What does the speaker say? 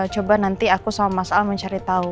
coba nanti aku sama mas al mencari tahu